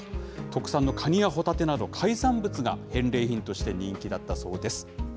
特産のカニやホタテなど、海産物が返礼品として人気だったそうです。